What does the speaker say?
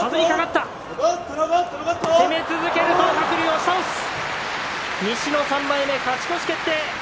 押し倒し西の３枚目勝ち越し決定。